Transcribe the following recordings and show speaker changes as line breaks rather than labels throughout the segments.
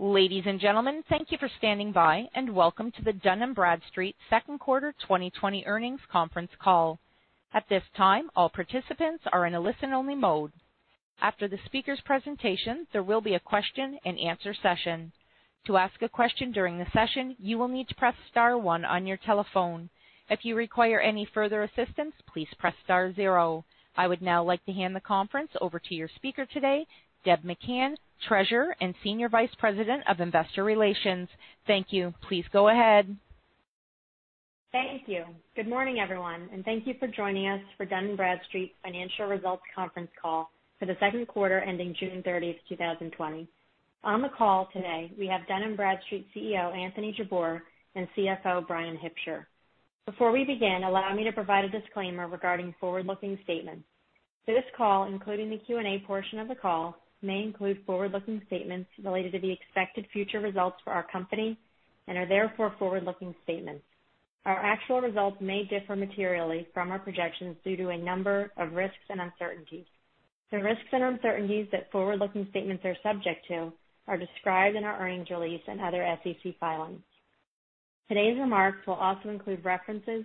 Ladies and gentlemen, thank you for standing by, and welcome to the Dun & Bradstreet second quarter 2020 earnings conference call. At this time, all participants are in a listen-only mode. After the speaker's presentation, there will be a question and answer session. To ask a question during the session, you will need to press star one on your telephone. If you require any further assistance, please press star zero. I would now like to hand the conference over to your speaker today, Debra McCann, Treasurer and Senior Vice President of Investor Relations. Thank you. Please go ahead.
Thank you. Good morning, everyone, and thank you for joining us for Dun & Bradstreet Financial Results Conference Call for the second quarter ending June 30th, 2020. On the call today, we have Dun & Bradstreet CEO Anthony Jabbour and CFO Bryan Hipsher. Before we begin, allow me to provide a disclaimer regarding forward-looking statements. This call, including the Q&A portion of the call, may include forward-looking statements related to the expected future results for our company and are therefore forward-looking statements. Our actual results may differ materially from our projections due to a number of risks and uncertainties. The risks and uncertainties that forward-looking statements are subject to are described in our earnings release and other SEC filings. Today's remarks will also include references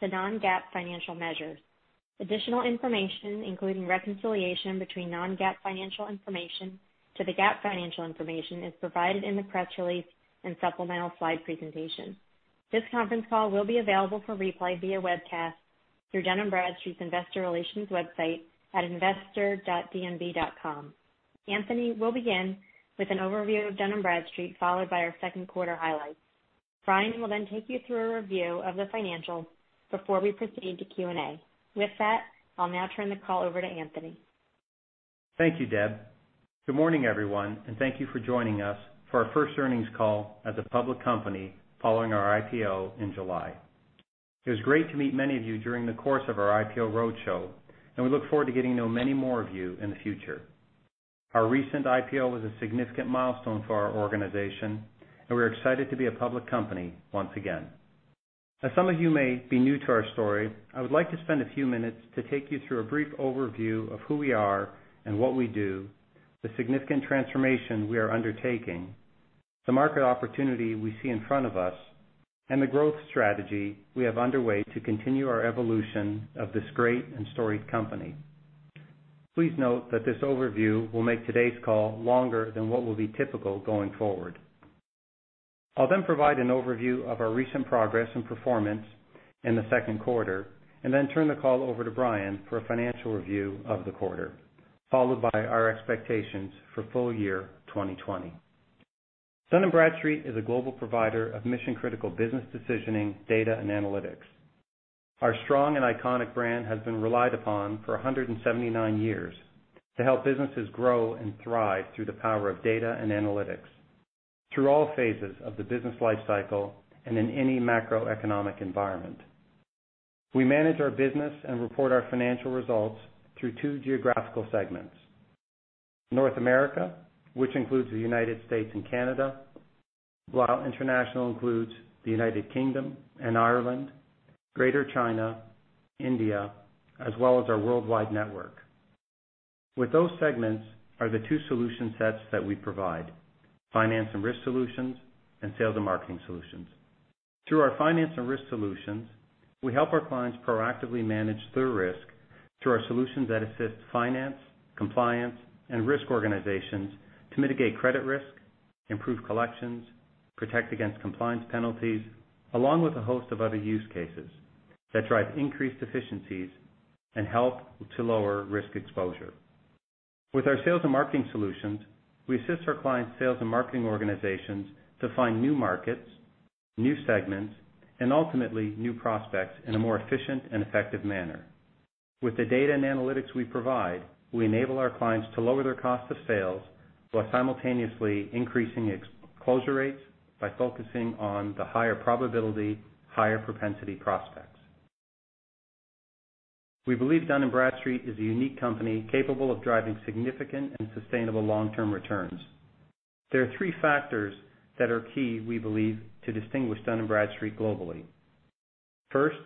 to non-GAAP financial measures. Additional information, including reconciliation between non-GAAP financial information to the GAAP financial information, is provided in the press release and supplemental slide presentation. This conference call will be available for replay via webcast through Dun & Bradstreet's investor relations website at investor.dnb.com. Anthony will begin with an overview of Dun & Bradstreet, followed by our second quarter highlights. Bryan will take you through a review of the financials before we proceed to Q&A. With that, I'll now turn the call over to Anthony.
Thank you, Deb. Good morning, everyone, thank you for joining us for our first earnings call as a public company following our IPO in July. It was great to meet many of you during the course of our IPO roadshow, we look forward to getting to know many more of you in the future. Our recent IPO was a significant milestone for our organization, we're excited to be a public company once again. As some of you may be new to our story, I would like to spend a few minutes to take you through a brief overview of who we are and what we do, the significant transformation we are undertaking, the market opportunity we see in front of us, and the growth strategy we have underway to continue our evolution of this great and storied company. Please note that this overview will make today's call longer than what will be typical going forward. I'll then provide an overview of our recent progress and performance in the second quarter, and then turn the call over to Bryan for a financial review of the quarter, followed by our expectations for full year 2020. Dun & Bradstreet is a global provider of mission-critical business decisioning, data, and analytics. Our strong and iconic brand has been relied upon for 179 years to help businesses grow and thrive through the power of data and analytics through all phases of the business life cycle and in any macroeconomic environment. We manage our business and report our financial results through two geographical segments, North America, which includes the U.S. and Canada, while International includes the U.K. and Ireland, Greater China, India, as well as our worldwide network. With those segments are the two solution sets that we provide, Finance and Risk Solutions and Sales and Marketing Solutions. Through our Finance and Risk Solutions, we help our clients proactively manage their risk through our solutions that assist finance, compliance, and risk organizations to mitigate credit risk, improve collections, protect against compliance penalties, along with a host of other use cases that drive increased efficiencies and help to lower risk exposure. With our Sales and Marketing Solutions, we assist our clients' sales and marketing organizations to find new markets, new segments, and ultimately, new prospects in a more efficient and effective manner. With the data and analytics we provide, we enable our clients to lower their cost of sales while simultaneously increasing closure rates by focusing on the higher probability, higher propensity prospects. We believe Dun & Bradstreet is a unique company capable of driving significant and sustainable long-term returns. There are three factors that are key, we believe, to distinguish Dun & Bradstreet globally. First,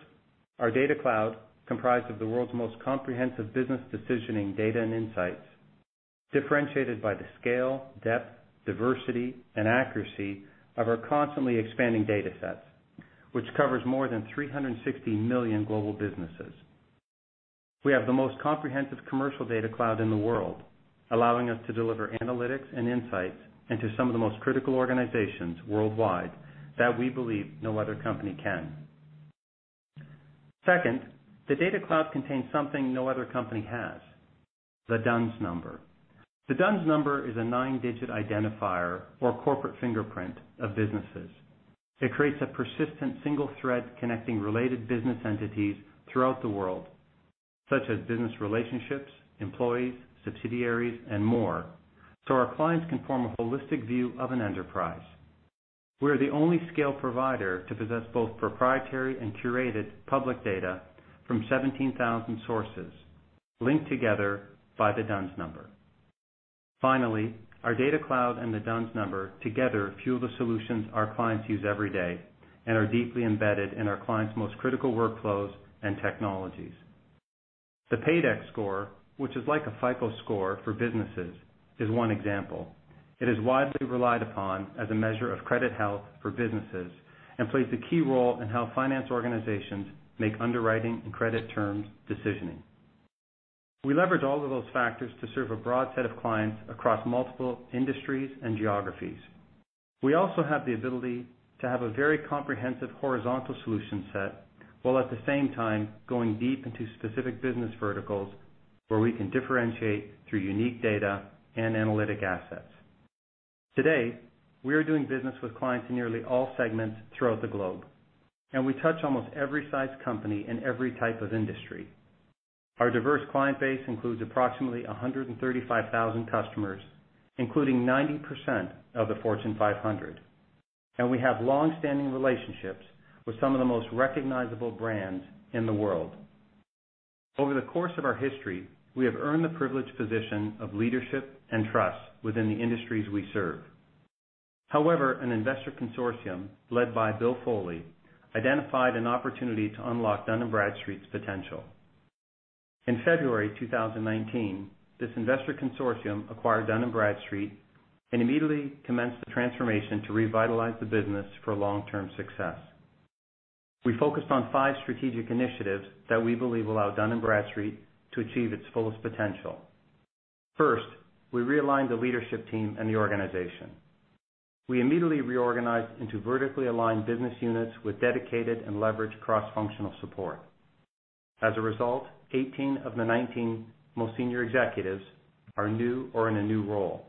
our data cloud, comprised of the world's most comprehensive business decisioning data and insights, differentiated by the scale, depth, diversity, and accuracy of our constantly expanding data sets, which covers more than 360 million global businesses. We have the most comprehensive commercial data cloud in the world, allowing us to deliver analytics and insights into some of the most critical organizations worldwide that we believe no other company can. Second, the data cloud contains something no other company has, the D-U-N-S Number. The D-U-N-S Number is a nine-digit identifier or corporate fingerprint of businesses. It creates a persistent single thread connecting related business entities throughout the world, such as business relationships, employees, subsidiaries, and more, so our clients can form a holistic view of an enterprise. We're the only scale provider to possess both proprietary and curated public data from 17,000 sources linked together by the D-U-N-S Number. Finally, our data cloud and the D-U-N-S Number together fuel the solutions our clients use every day and are deeply embedded in our clients' most critical workflows and technologies. The PAYDEX score, which is like a FICO score for businesses, is one example. It is widely relied upon as a measure of credit health for businesses and plays a key role in how finance organizations make underwriting and credit terms decisioning. We leverage all of those factors to serve a broad set of clients across multiple industries and geographies. We also have the ability to have a very comprehensive horizontal solution set, while at the same time going deep into specific business verticals where we can differentiate through unique data and analytic assets. Today, we are doing business with clients in nearly all segments throughout the globe, and we touch almost every size company in every type of industry. Our diverse client base includes approximately 135,000 customers, including 90% of the Fortune 500. We have longstanding relationships with some of the most recognizable brands in the world. Over the course of our history, we have earned the privileged position of leadership and trust within the industries we serve. However, an investor consortium led by Bill Foley identified an opportunity to unlock Dun & Bradstreet's potential. In February 2019, this investor consortium acquired Dun & Bradstreet and immediately commenced the transformation to revitalize the business for long-term success. We focused on five strategic initiatives that we believe allow Dun & Bradstreet to achieve its fullest potential. First, we realigned the leadership team and the organization. We immediately reorganized into vertically aligned business units with dedicated and leveraged cross-functional support. As a result, 18 of the 19 most senior executives are new or in a new role.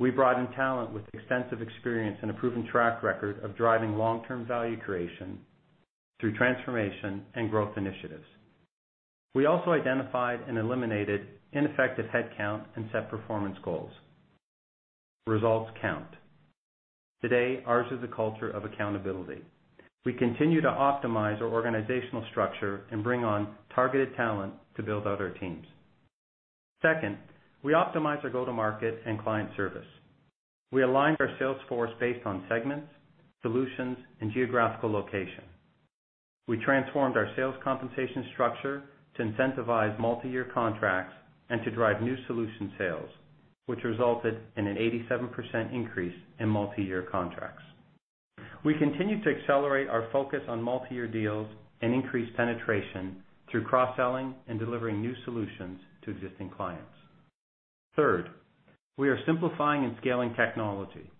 We brought in talent with extensive experience and a proven track record of driving long-term value creation through transformation and growth initiatives. We also identified and eliminated ineffective headcount and set performance goals. Results count. Today, ours is a culture of accountability. We continue to optimize our organizational structure and bring on targeted talent to build out our teams. Second, we optimize our go-to-market and client service. We aligned our sales force based on segments, solutions, and geographical location. We transformed our sales compensation structure to incentivize multiyear contracts and to drive new solution sales, which resulted in an 87% increase in multiyear contracts. We continue to accelerate our focus on multiyear deals and increase penetration through cross-selling and delivering new solutions to existing clients. Third, we are simplifying and scaling technology.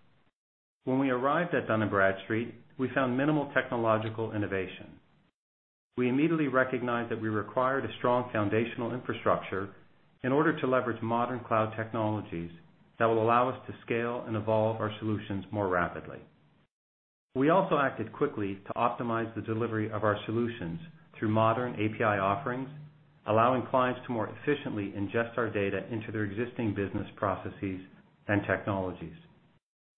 When we arrived at Dun & Bradstreet, we found minimal technological innovation. We immediately recognized that we required a strong foundational infrastructure in order to leverage modern cloud technologies that will allow us to scale and evolve our solutions more rapidly. We also acted quickly to optimize the delivery of our solutions through modern API offerings, allowing clients to more efficiently ingest our data into their existing business processes and technologies.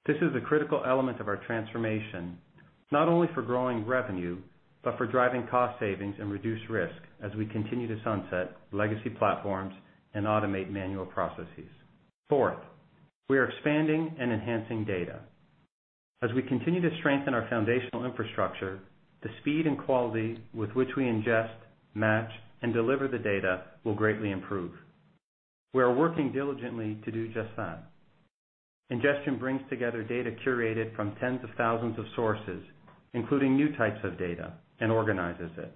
This is a critical element of our transformation, not only for growing revenue, but for driving cost savings and reduced risk as we continue to sunset legacy platforms and automate manual processes. Fourth, we are expanding and enhancing data. As we continue to strengthen our foundational infrastructure, the speed and quality with which we ingest, match, and deliver the data will greatly improve. We are working diligently to do just that. Ingestion brings together data curated from tens of thousands of sources, including new types of data, and organizes it.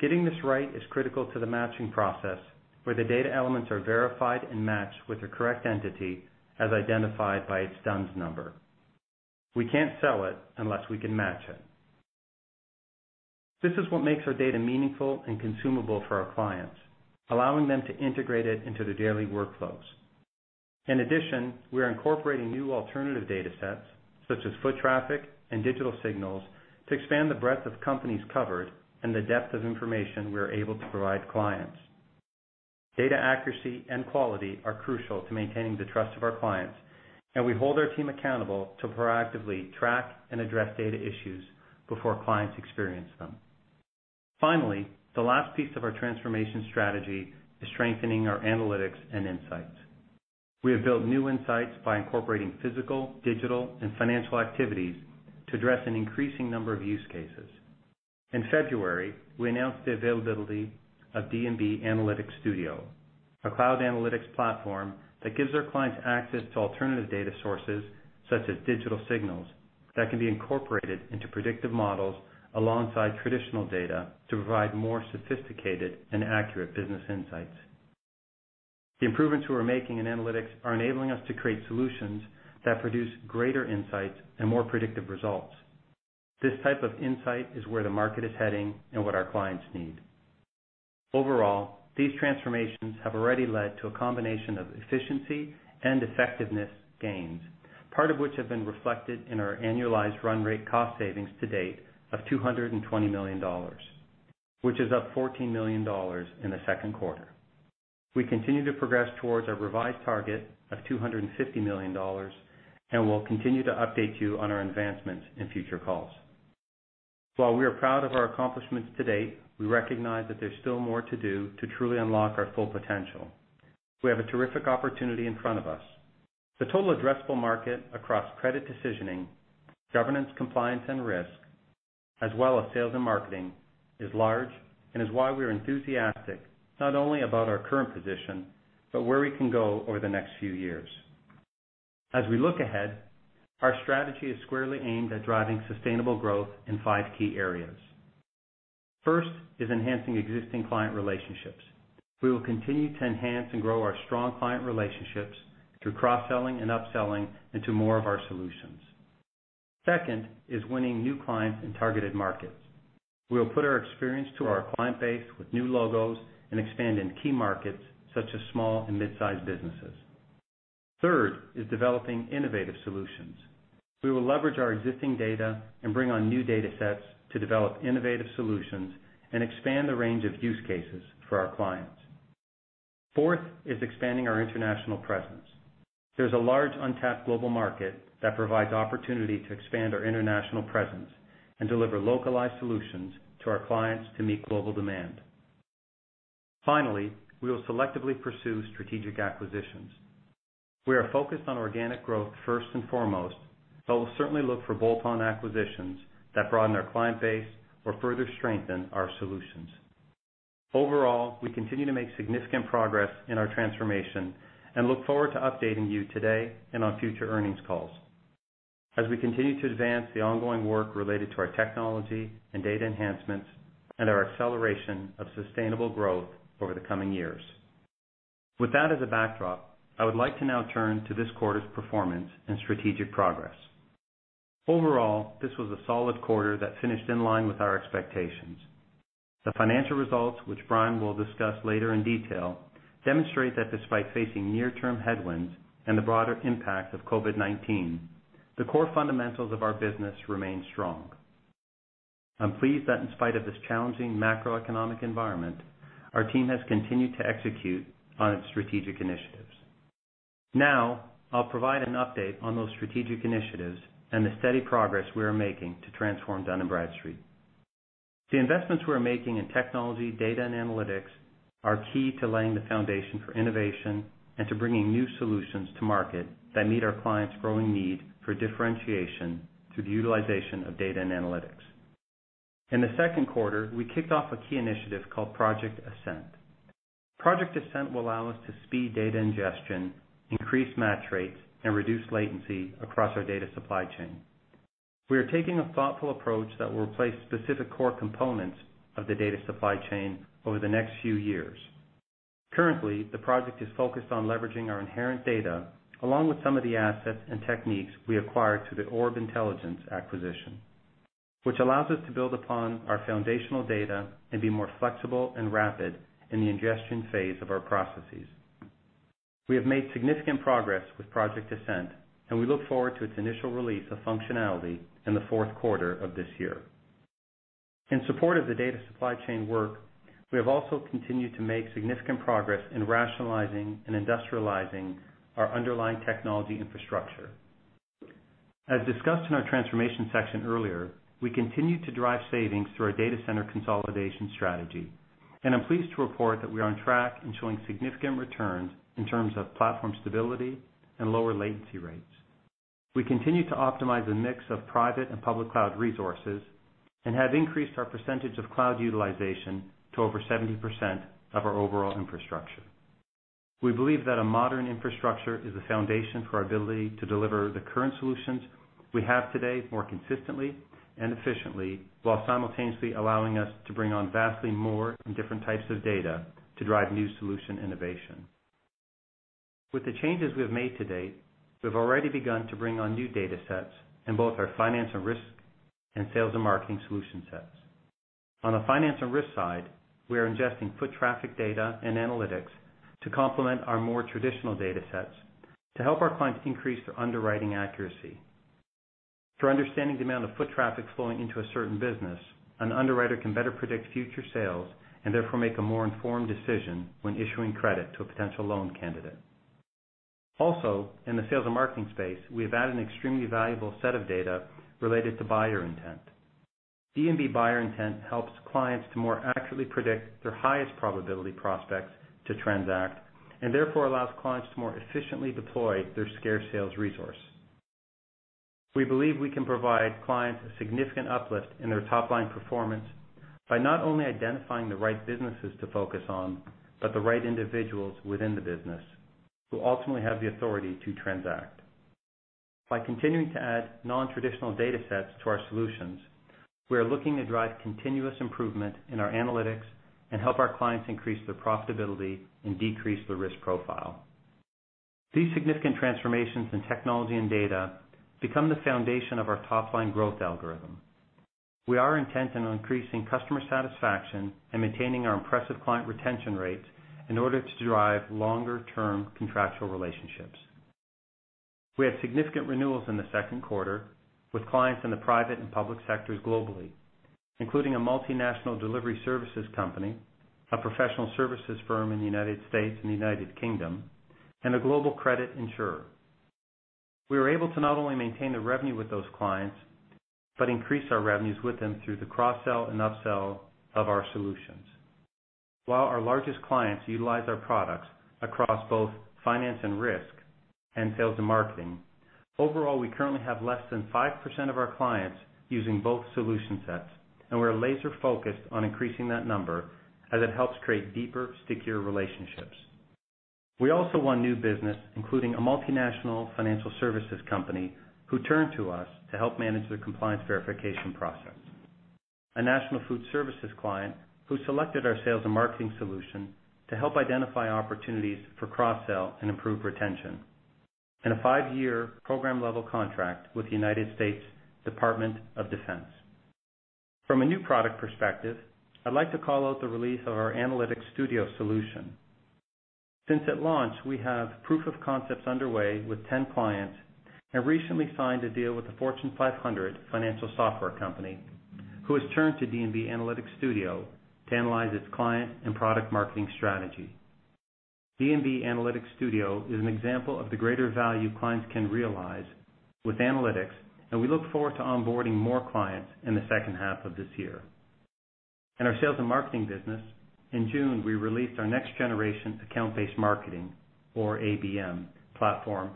Getting this right is critical to the matching process, where the data elements are verified and matched with the correct entity as identified by its D-U-N-S Number. We can't sell it unless we can match it. This is what makes our data meaningful and consumable for our clients, allowing them to integrate it into their daily workflows. In addition, we are incorporating new alternative data sets, such as foot traffic and digital signals, to expand the breadth of companies covered and the depth of information we are able to provide clients. Data accuracy and quality are crucial to maintaining the trust of our clients, and we hold our team accountable to proactively track and address data issues before clients experience them. Finally, the last piece of our transformation strategy is strengthening our analytics and insights. We have built new insights by incorporating physical, digital, and financial activities to address an increasing number of use cases. In February, we announced the availability of D&B Analytics Studio, a cloud analytics platform that gives our clients access to alternative data sources, such as digital signals, that can be incorporated into predictive models alongside traditional data to provide more sophisticated and accurate business insights. The improvements we're making in analytics are enabling us to create solutions that produce greater insights and more predictive results. This type of insight is where the market is heading and what our clients need. Overall, these transformations have already led to a combination of efficiency and effectiveness gains, part of which have been reflected in our annualized run rate cost savings to date of $220 million, which is up $14 million in the second quarter. We continue to progress towards our revised target of $250 million, and we'll continue to update you on our advancements in future calls. While we are proud of our accomplishments to date, we recognize that there's still more to do to truly unlock our full potential. We have a terrific opportunity in front of us. The total addressable market across credit decisioning, governance, compliance, and risk, as well as sales and marketing, is large and is why we're enthusiastic, not only about our current position, but where we can go over the next few years. As we look ahead, our strategy is squarely aimed at driving sustainable growth in five key areas. First is enhancing existing client relationships. We will continue to enhance and grow our strong client relationships through cross-selling and upselling into more of our solutions. Second is winning new clients in targeted markets. We'll put our experience to our client base with new logos and expand in key markets such as small and mid-sized businesses. Third is developing innovative solutions. We will leverage our existing data and bring on new data sets to develop innovative solutions and expand the range of use cases for our clients. Fourth is expanding our international presence. There's a large untapped global market that provides opportunity to expand our international presence and deliver localized solutions to our clients to meet global demand. Finally, we will selectively pursue strategic acquisitions. We are focused on organic growth first and foremost, but we'll certainly look for bolt-on acquisitions that broaden our client base or further strengthen our solutions. Overall, we continue to make significant progress in our transformation and look forward to updating you today and on future earnings calls as we continue to advance the ongoing work related to our technology and data enhancements and our acceleration of sustainable growth over the coming years. With that as a backdrop, I would like to now turn to this quarter's performance and strategic progress. Overall, this was a solid quarter that finished in line with our expectations. The financial results, which Bryan will discuss later in detail, demonstrate that despite facing near-term headwinds and the broader impact of COVID-19, the core fundamentals of our business remain strong. I'm pleased that in spite of this challenging macroeconomic environment, our team has continued to execute on its strategic initiatives. Now, I'll provide an update on those strategic initiatives and the steady progress we are making to transform Dun & Bradstreet. The investments we are making in technology, data, and analytics are key to laying the foundation for innovation and to bringing new solutions to market that meet our clients' growing need for differentiation through the utilization of data and analytics. In the second quarter, we kicked off a key initiative called Project Ascent. Project Ascent will allow us to speed data ingestion, increase match rates, and reduce latency across our data supply chain. We are taking a thoughtful approach that will replace specific core components of the data supply chain over the next few years. Currently, the project is focused on leveraging our inherent data, along with some of the assets and techniques we acquired through the Orb Intelligence acquisition, which allows us to build upon our foundational data and be more flexible and rapid in the ingestion phase of our processes. We have made significant progress with Project Ascent, and we look forward to its initial release of functionality in the fourth quarter of this year. In support of the data supply chain work, we have also continued to make significant progress in rationalizing and industrializing our underlying technology infrastructure. As discussed in our transformation section earlier, we continue to drive savings through our data center consolidation strategy, and I'm pleased to report that we are on track and showing significant returns in terms of platform stability and lower latency rates. We continue to optimize a mix of private and public cloud resources and have increased our percentage of cloud utilization to over 70% of our overall infrastructure. We believe that a modern infrastructure is the foundation for our ability to deliver the current solutions we have today more consistently and efficiently, while simultaneously allowing us to bring on vastly more and different types of data to drive new solution innovation. With the changes we have made to date, we've already begun to bring on new data sets in both our finance and risk, and sales and marketing solution sets. On the finance and risk side, we are ingesting foot traffic data and analytics to complement our more traditional data sets to help our clients increase their underwriting accuracy. Through understanding the amount of foot traffic flowing into a certain business, an underwriter can better predict future sales and therefore make a more informed decision when issuing credit to a potential loan candidate. In the sales and marketing space, we have added an extremely valuable set of data related to buyer intent. D&B Buyer Intent helps clients to more accurately predict their highest probability prospects to transact, and therefore allows clients to more efficiently deploy their scarce sales resource. We believe we can provide clients a significant uplift in their top-line performance by not only identifying the right businesses to focus on, but the right individuals within the business who ultimately have the authority to transact. By continuing to add non-traditional data sets to our solutions, we are looking to drive continuous improvement in our analytics and help our clients increase their profitability and decrease their risk profile. These significant transformations in technology and data become the foundation of our top-line growth algorithm. We are intent on increasing customer satisfaction and maintaining our impressive client retention rates in order to drive longer-term contractual relationships. We had significant renewals in the second quarter with clients in the private and public sectors globally, including a multinational delivery services company, a professional services firm in the United States and the United Kingdom, and a global credit insurer. We were able to not only maintain the revenue with those clients, but increase our revenues with them through the cross-sell and up-sell of our solutions. While our largest clients utilize our products across both finance and risk, and sales and marketing, overall, we currently have less than 5% of our clients using both solution sets, and we're laser focused on increasing that number as it helps create deeper, stickier relationships. We also won new business, including a multinational financial services company, who turned to us to help manage their compliance verification process. A national food services client who selected our sales and marketing solution to help identify opportunities for cross-sell and improve retention, and a five-year program level contract with the United States Department of Defense. From a new product perspective, I'd like to call out the release of our Analytics Studio solution. Since at launch, we have proof of concepts underway with 10 clients, and recently signed a deal with a Fortune 500 financial software company who has turned to Dun & Bradstreet Analytics Studio to analyze its client and product marketing strategy. Dun & Bradstreet Analytics Studio is an example of the greater value clients can realize with analytics, and we look forward to onboarding more clients in the second half of this year. In our sales and marketing business, in June, we released our next generation account-based marketing or ABM platform,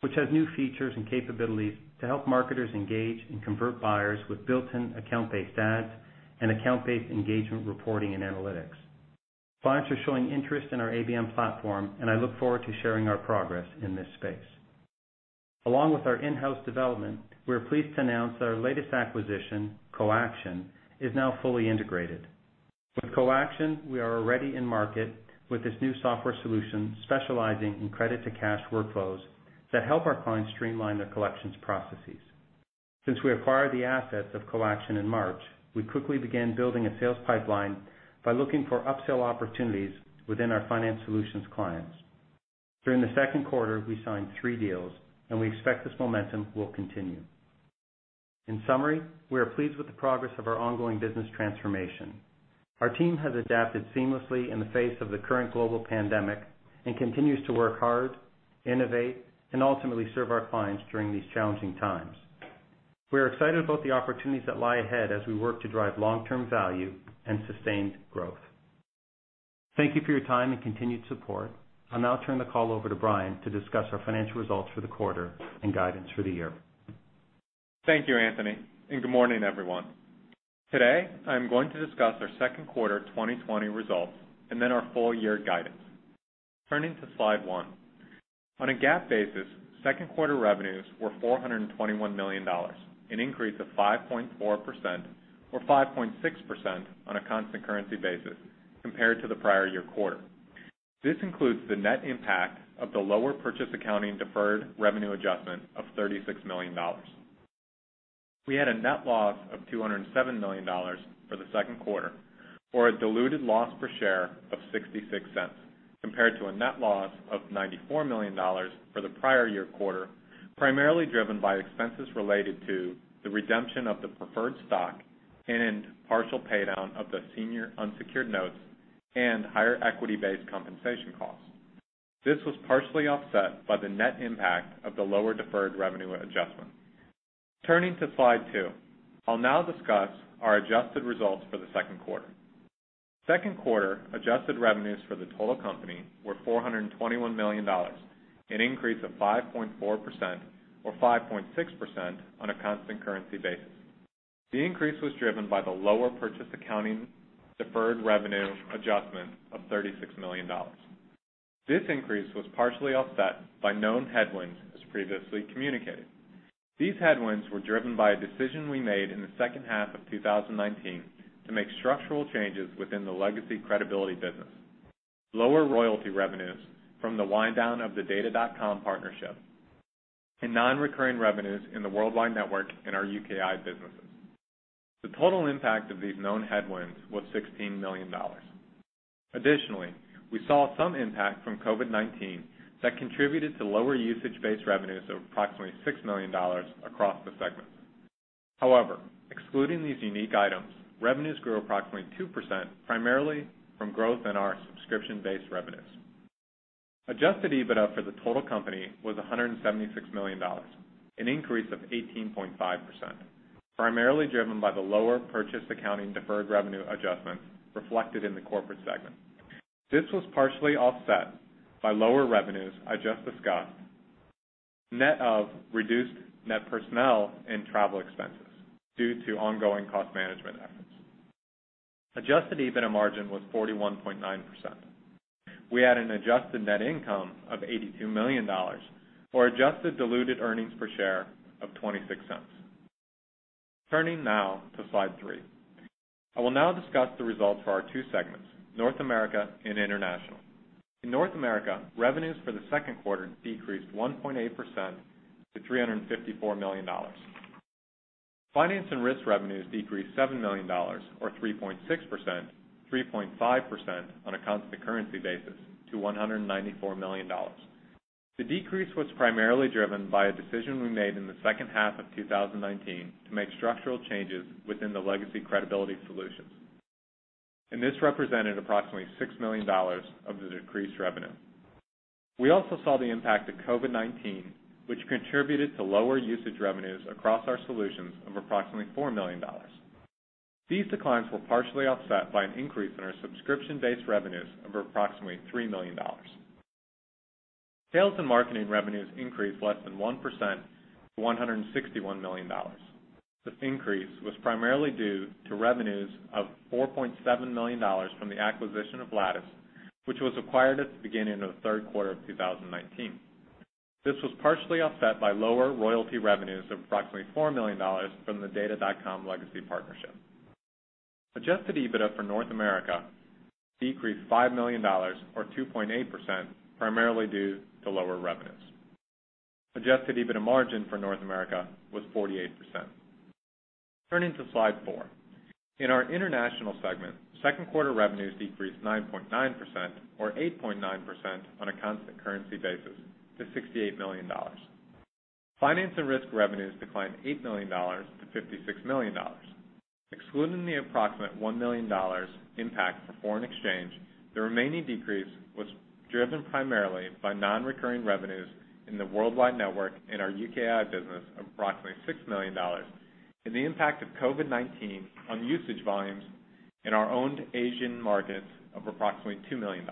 which has new features and capabilities to help marketers engage and convert buyers with built-in account-based ads and account-based engagement reporting and analytics. Clients are showing interest in our ABM platform, and I look forward to sharing our progress in this space. Along with our in-house development, we're pleased to announce that our latest acquisition, Coaction, is now fully integrated. With Coaction, we are already in market with this new software solution specializing in credit to cash workflows that help our clients streamline their collections processes. Since we acquired the assets of Coaction in March, we quickly began building a sales pipeline by looking for upsell opportunities within our finance solutions clients. During the second quarter, we signed three deals, and we expect this momentum will continue. In summary, we are pleased with the progress of our ongoing business transformation. Our team has adapted seamlessly in the face of the current global pandemic, and continues to work hard, innovate, and ultimately serve our clients during these challenging times. We are excited about the opportunities that lie ahead as we work to drive long-term value and sustained growth. Thank you for your time and continued support. I'll now turn the call over to Bryan to discuss our financial results for the quarter and guidance for the year.
Thank you, Anthony. Good morning, everyone. Today, I'm going to discuss our second quarter 2020 results and then our full year guidance. Turning to slide one. On a GAAP basis, second quarter revenues were $421 million, an increase of 5.4% or 5.6% on a constant currency basis compared to the prior year quarter. This includes the net impact of the lower purchase accounting deferred revenue adjustment of $36 million. We had a net loss of $207 million for the second quarter, or a diluted loss per share of $0.66 compared to a net loss of $94 million for the prior year quarter, primarily driven by expenses related to the redemption of the preferred stock and partial pay down of the senior unsecured notes and higher equity-based compensation costs. This was partially offset by the net impact of the lower deferred revenue adjustment. Turning to slide two, I'll now discuss our adjusted results for the second quarter. Second quarter adjusted revenues for the total company were $421 million, an increase of 5.4% or 5.6% on a constant currency basis. The increase was driven by the lower purchase accounting deferred revenue adjustment of $36 million. This increase was partially offset by known headwinds, as previously communicated. These headwinds were driven by a decision we made in the second half of 2019 to make structural changes within the legacy credibility business. Lower royalty revenues from the wind down of the Data.com partnership and non-recurring revenues in the worldwide network in our UKI businesses. The total impact of these known headwinds was $16 million. Additionally, we saw some impact from COVID-19 that contributed to lower usage-based revenues of approximately $6 million across the segments. Excluding these unique items, revenues grew approximately 2%, primarily from growth in our subscription-based revenues. Adjusted EBITDA for the total company was $176 million, an increase of 18.5%, primarily driven by the lower purchase accounting deferred revenue adjustments reflected in the corporate segment. This was partially offset by lower revenues I just discussed, net of reduced net personnel and travel expenses due to ongoing cost management efforts. Adjusted EBITDA margin was 41.9%. We had an adjusted net income of $82 million or adjusted diluted earnings per share of $0.26. Turning now to slide three. I will now discuss the results for our two segments, North America and International. In North America, revenues for the second quarter decreased 1.8% to $354 million. Finance and risk revenues decreased $7 million or 3.6%, 3.5% on a constant currency basis to $194 million. The decrease was primarily driven by a decision we made in the second half of 2019 to make structural changes within the legacy credibility solutions. This represented approximately $6 million of the decreased revenue. We also saw the impact of COVID-19, which contributed to lower usage revenues across our solutions of approximately $4 million. These declines were partially offset by an increase in our subscription-based revenues of approximately $3 million. Sales and marketing revenues increased less than 1% to $161 million. This increase was primarily due to revenues of $4.7 million from the acquisition of Lattice, which was acquired at the beginning of the third quarter of 2019. This was partially offset by lower royalty revenues of approximately $4 million from the Data.com legacy partnership. Adjusted EBITDA for North America decreased $5 million or 2.8%, primarily due to lower revenues. Adjusted EBITDA margin for North America was 48%. Turning to slide four. In our international segment, second-quarter revenues decreased 9.9%, or 8.9% on a constant currency basis, to $68 million. Finance and risk revenues declined $8 million to $56 million. Excluding the approximate $1 million impact from foreign exchange, the remaining decrease was driven primarily by non-recurring revenues in the worldwide network in our UKI business of approximately $6 million, and the impact of COVID-19 on usage volumes in our owned Asian markets of approximately $2 million.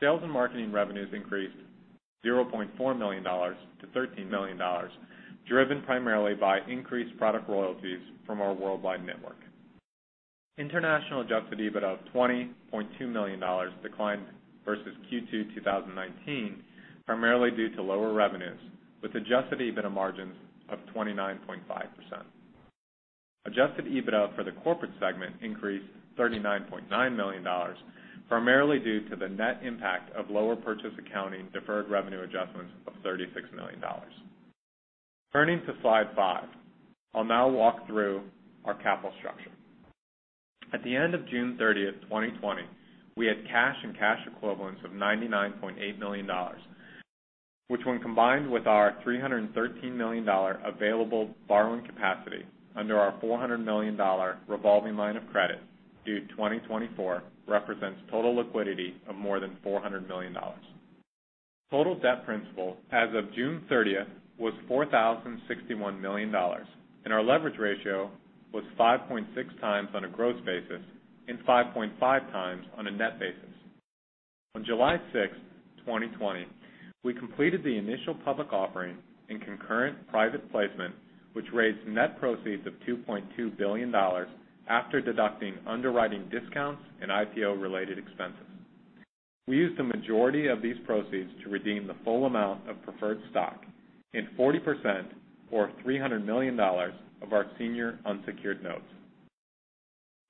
Sales and marketing revenues increased $0.4 million to $13 million, driven primarily by increased product royalties from our worldwide network. International Adjusted EBITDA of $20.2 million declined versus Q2 2019, primarily due to lower revenues, with Adjusted EBITDA margins of 29.5%. Adjusted EBITDA for the corporate segment increased $39.9 million, primarily due to the net impact of lower purchase accounting deferred revenue adjustments of $36 million. Turning to slide five. I'll now walk through our capital structure. At the end of June 30th, 2020, we had cash and cash equivalents of $99.8 million, which when combined with our $313 million available borrowing capacity under our $400 million revolving line of credit due 2024, represents total liquidity of more than $400 million. Total debt principal as of June 30th was $4,061 million, and our leverage ratio was 5.6 times on a gross basis and 5.5 times on a net basis. On July 6, 2020, we completed the initial public offering in concurrent private placement, which raised net proceeds of $2.2 billion after deducting underwriting discounts and IPO-related expenses. We used the majority of these proceeds to redeem the full amount of preferred stock in 40%, or $300 million of our senior unsecured notes.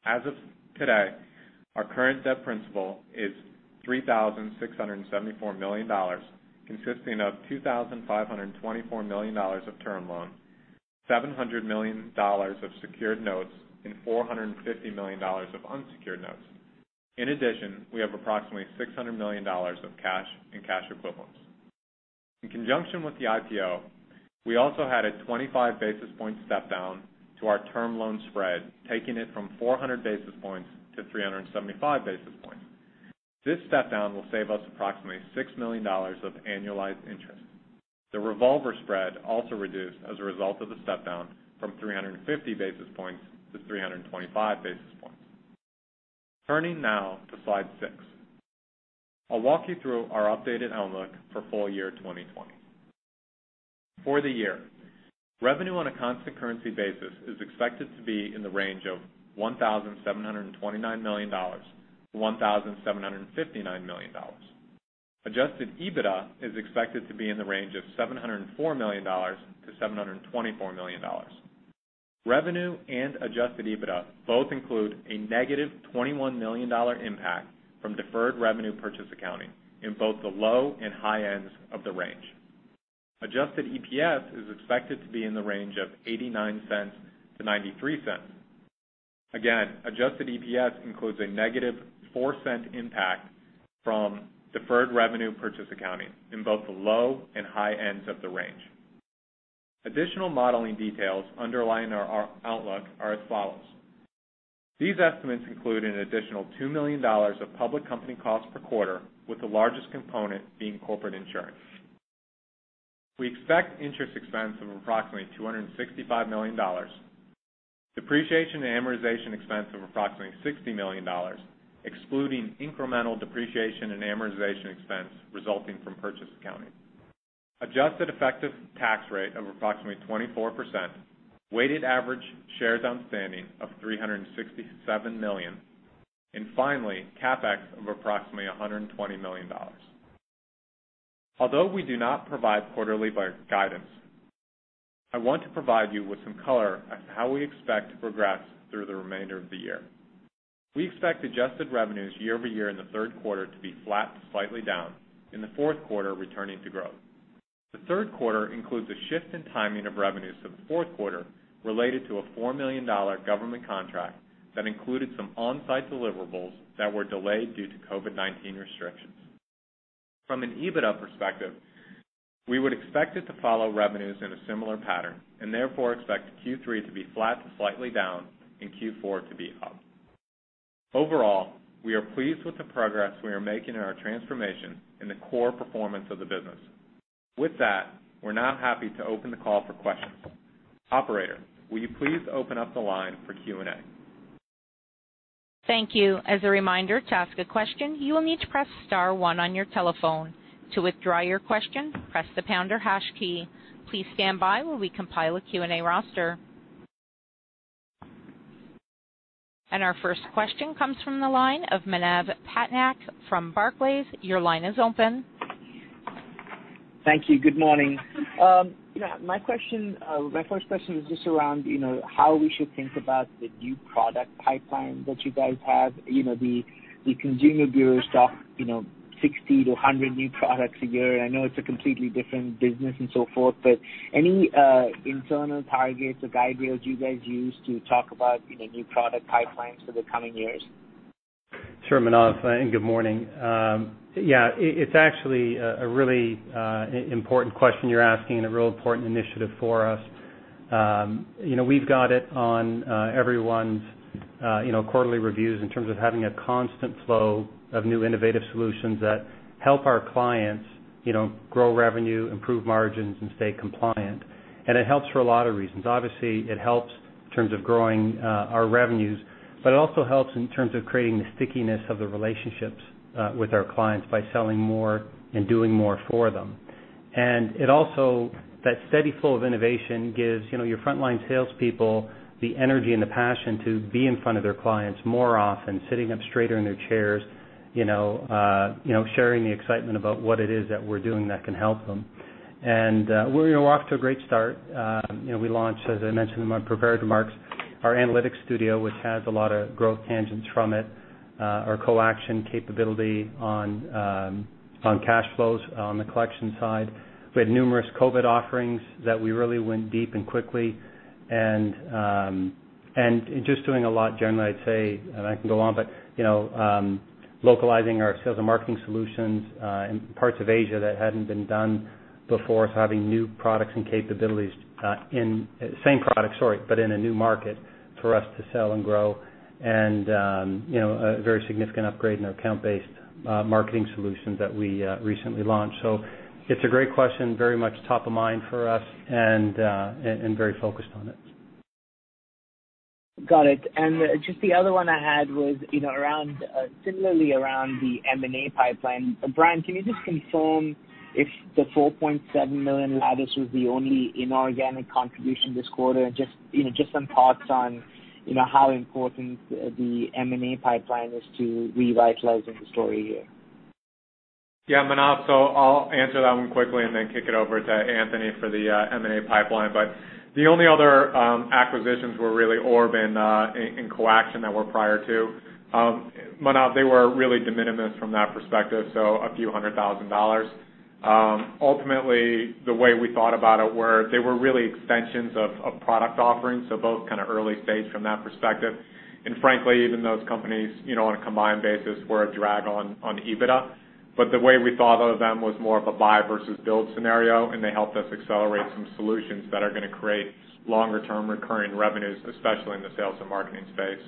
As of today, our current debt principal is $3,674 million, consisting of $2,524 million of term loan, $700 million of secured notes, and $450 million of unsecured notes. In addition, we have approximately $600 million of cash and cash equivalents. In conjunction with the IPO, we also had a 25-basis-point step-down to our term loan spread, taking it from 400 basis points to 375 basis points. This step-down will save us approximately $6 million of annualized interest. The revolver spread also reduced as a result of the step-down from 350 basis points to 325 basis points. Turning now to slide six. I'll walk you through our updated outlook for full year 2020. For the year, revenue on a constant currency basis is expected to be in the range of $1,729 million-$1,759 million. Adjusted EBITDA is expected to be in the range of $704 million-$724 million. Revenue and Adjusted EBITDA both include a negative $21 million impact from deferred revenue purchase accounting in both the low and high ends of the range. Adjusted EPS is expected to be in the range of $0.89-$0.93. Adjusted EPS includes a negative $0.04 impact from deferred revenue purchase accounting in both the low and high ends of the range. Additional modeling details underlying our outlook are as follows. These estimates include an additional $2 million of public company costs per quarter, with the largest component being corporate insurance. We expect interest expense of approximately $265 million, depreciation and amortization expense of approximately $60 million, excluding incremental depreciation and amortization expense resulting from purchase accounting. Adjusted effective tax rate of approximately 24%, weighted average shares outstanding of 367 million, and finally, CapEx of approximately $120 million. Although we do not provide quarterly guidance, I want to provide you with some color as to how we expect to progress through the remainder of the year. We expect adjusted revenues year-over-year in the third quarter to be flat to slightly down. In the fourth quarter, returning to growth. The third quarter includes a shift in timing of revenues to the fourth quarter related to a $4 million government contract that included some on-site deliverables that were delayed due to COVID-19 restrictions. From an EBITDA perspective, we would expect it to follow revenues in a similar pattern and therefore expect Q3 to be flat to slightly down and Q4 to be up. We are pleased with the progress we are making in our transformation and the core performance of the business. With that, we're now happy to open the call for questions. Operator, will you please open up the line for Q&A?
Thank you. As a reminder, to ask a question, you will need to press star one on your telephone. To withdraw your question, press the pound or hash key. Please stand by while we compile a Q&A roster. Our first question comes from the line of Manav Patnaik from Barclays. Your line is open.
Thank you. Good morning. My first question is just around how we should think about the new product pipeline that you guys have. The consumer bureau stuff, 60-100 new products a year. I know it's a completely different business and so forth, but any internal targets or guide rails you guys use to talk about new product pipelines for the coming years?
Sure, Manav, and good morning. Yeah, it's actually a really important question you're asking and a real important initiative for us. We've got it on everyone's quarterly reviews in terms of having a constant flow of new innovative solutions that help our clients grow revenue, improve margins, and stay compliant. It helps for a lot of reasons. Obviously, it helps in terms of growing our revenues, but it also helps in terms of creating the stickiness of the relationships with our clients by selling more and doing more for them. It also, that steady flow of innovation gives your frontline salespeople the energy and the passion to be in front of their clients more often, sitting up straighter in their chairs, sharing the excitement about what it is that we're doing that can help them. We're off to a great start. We launched, as I mentioned in my prepared remarks, our D&B Analytics Studio, which has a lot of growth tangents from it. Our Coaction capability on cash flows on the collection side. We had numerous COVID-19 offerings that we really went deep and quickly and just doing a lot generally, I'd say, and I can go on, but localizing our sales and marketing solutions in parts of Asia that hadn't been done before. Having new products and capabilities in-- same product, sorry, but in a new market for us to sell and grow and a very significant upgrade in our account-based marketing solutions that we recently launched. It's a great question, very much top of mind for us and very focused on it.
Got it. Just the other one I had was similarly around the M&A pipeline. Bryan, can you just confirm if the $4.7 million Lattice was the only inorganic contribution this quarter? Just some thoughts on how important the M&A pipeline is to revitalizing the story here.
Yeah, Manav, I'll answer that one quickly and then kick it over to Anthony for the M&A pipeline. The only other acquisitions were really Orb and coAction that were prior to. Manav, they were really de minimis from that perspective, so a few hundred thousand dollars. Ultimately, the way we thought about it were they were really extensions of product offerings, so both kind of early stage from that perspective. Frankly, even those companies, on a combined basis, were a drag on EBITDA. The way we thought of them was more of a buy versus build scenario, and they helped us accelerate some solutions that are going to create longer-term recurring revenues, especially in the sales and marketing space.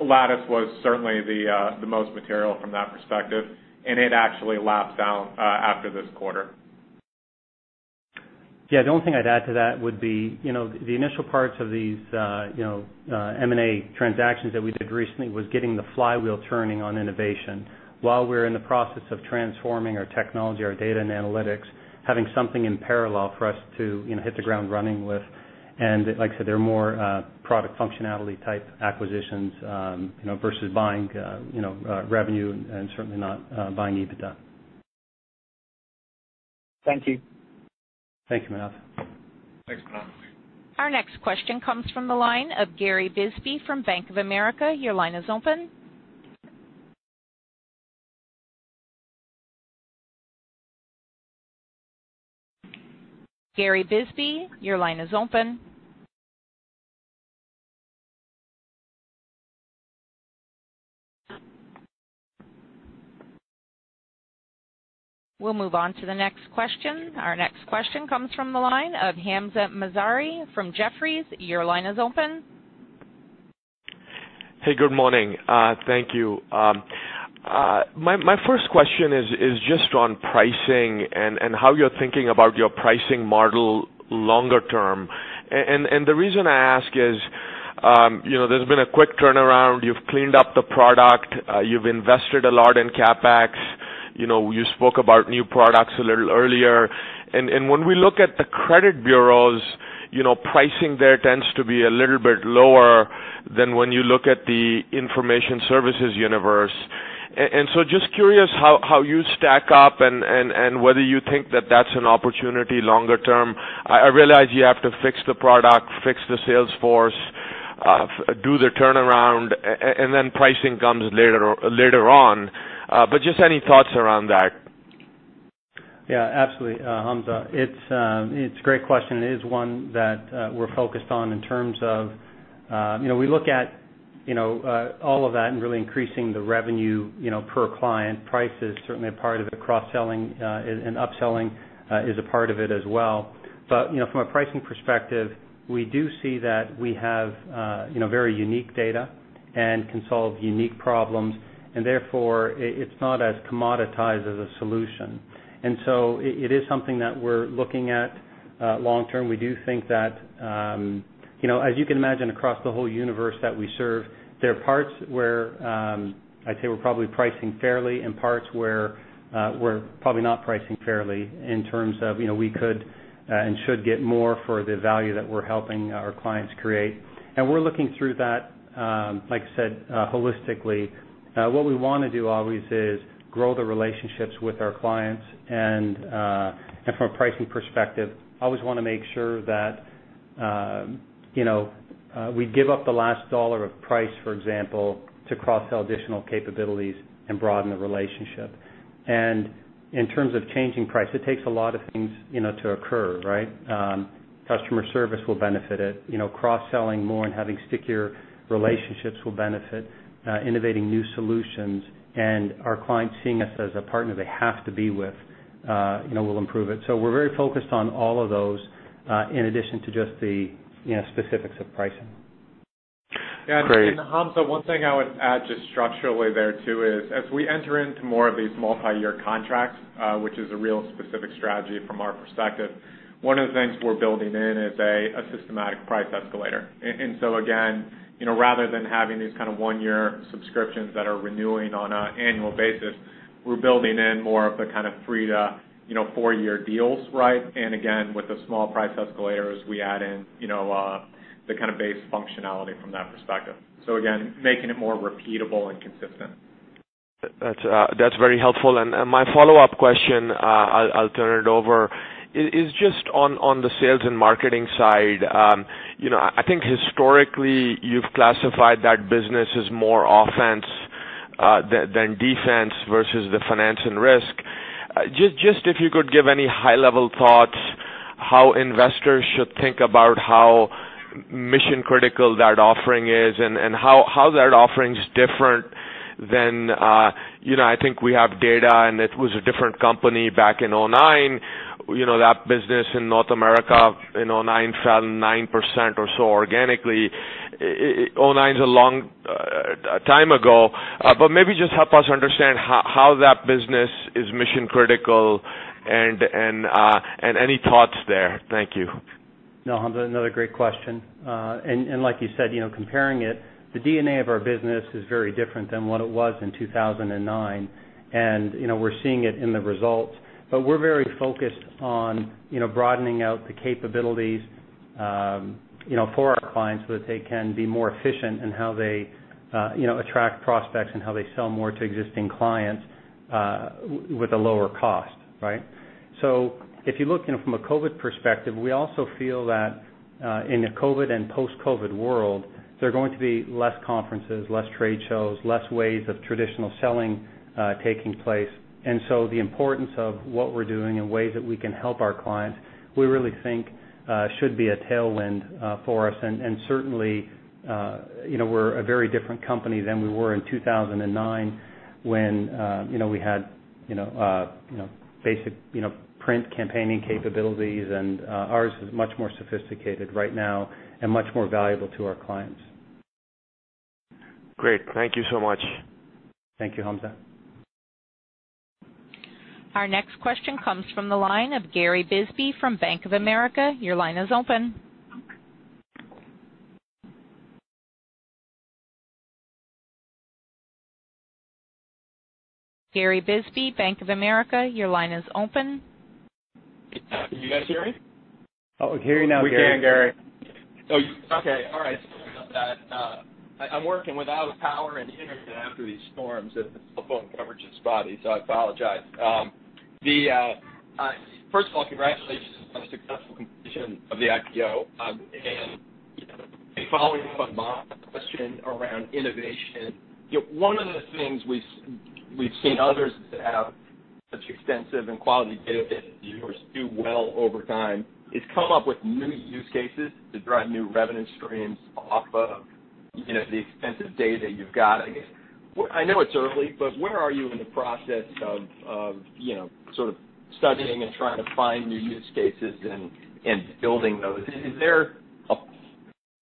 Lattice was certainly the most material from that perspective. It actually lapsed out after this quarter.
Yeah. The only thing I'd add to that would be the initial parts of these M&A transactions that we did recently was getting the flywheel turning on innovation while we're in the process of transforming our technology, our data and analytics, having something in parallel for us to hit the ground running with. Like I said, they're more product functionality type acquisitions, versus buying revenue and certainly not buying EBITDA.
Thank you.
Thank you, Manav.
Thanks, Manav.
Our next question comes from the line of Gary Bisbee from Bank of America. Your line is open. Gary Bisbee, your line is open. We'll move on to the next question. Our next question comes from the line of Hamzah Mazari from Jefferies. Your line is open.
Hey, good morning. Thank you. My first question is just on pricing and how you're thinking about your pricing model longer term. The reason I ask is there's been a quick turnaround. You've cleaned up the product. You've invested a lot in CapEx. You spoke about new products a little earlier. When we look at the credit bureaus, pricing there tends to be a little bit lower than when you look at the information services universe. Just curious how you stack up and whether you think that that's an opportunity longer term. I realize you have to fix the product, fix the sales force, do the turnaround, and then pricing comes later on. Just any thoughts around that?
Yeah, absolutely, Hamzah. It's a great question. It is one that we're focused on in terms of we look at all of that and really increasing the revenue per client. Price is certainly a part of it, cross-selling and upselling is a part of it as well. From a pricing perspective, we do see that we have very unique data and can solve unique problems, and therefore, it's not as commoditized as a solution. It is something that we're looking at long term. As you can imagine, across the whole universe that we serve, there are parts where I'd say we're probably pricing fairly and parts where we're probably not pricing fairly in terms of we could and should get more for the value that we're helping our clients create. We're looking through that, like I said, holistically. What we want to do always is grow the relationships with our clients, from a pricing perspective, always want to make sure that we give up the last dollar of price, for example, to cross-sell additional capabilities and broaden the relationship. In terms of changing price, it takes a lot of things to occur. Customer service will benefit it. Cross-selling more and having stickier relationships will benefit. Innovating new solutions and our clients seeing us as a partner they have to be with will improve it. We're very focused on all of those, in addition to just the specifics of pricing.
Great.
Hamzah, one thing I would add, just structurally there too is, as we enter into more of these multi-year contracts, which is a real specific strategy from our perspective, one of the things we're building in is a systematic price escalator. Again, rather than having these kind of one-year subscriptions that are renewing on an annual basis, we're building in more of the kind of three to four-year deals. Again, with the small price escalators, we add in the kind of base functionality from that perspective. Again, making it more repeatable and consistent.
That's very helpful. My follow-up question, I'll turn it over, is just on the sales and marketing side. I think historically you've classified that business as more offense than defense versus the finance and risk. Just if you could give any high-level thoughts how investors should think about how mission-critical that offering is and how that offering's different than, I think we have Data.com, and it was a different company back in 2009. That business in North America in 2009 fell 9% or so organically. 2009's a long time ago, but maybe just help us understand how that business is mission-critical and any thoughts there. Thank you.
No, Hamzah, another great question. Like you said, comparing it, the DNA of our business is very different than what it was in 2009, and we're seeing it in the results. We're very focused on broadening out the capabilities for our clients so that they can be more efficient in how they attract prospects and how they sell more to existing clients with a lower cost. If you look from a COVID perspective, we also feel that in a COVID and post-COVID world, there are going to be less conferences, less trade shows, less ways of traditional selling taking place. The importance of what we're doing and ways that we can help our clients, we really think should be a tailwind for us. Certainly, we're a very different company than we were in 2009 when we had basic print campaigning capabilities, and ours is much more sophisticated right now and much more valuable to our clients.
Great. Thank you so much.
Thank you, Hamzah.
Our next question comes from the line of Gary Bisbee from Bank of America. Your line is open. Gary Bisbee, Bank of America, your line is open.
Can you guys hear me?
Oh, we can hear you now, Gary.
We can, Gary.
Okay. All right. Sorry about that. I'm working without power and internet after these storms, and the cell phone coverage is spotty, so I apologize. First of all, congratulations on a successful completion of the IPO. Following up on my question around innovation, one of the things we've seen others that have such extensive and quality data that yours do well over time is come up with new use cases to drive new revenue streams off of the extensive data you've got. Where are you in the process of sort of studying and trying to find new use cases and building those? Is there